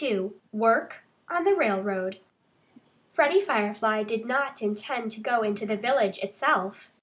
XXII WORK ON THE RAILROAD Freddie Firefly did not intend to go into the village itself.